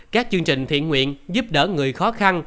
các chương trình thiện nguyện giúp đỡ người khó khăn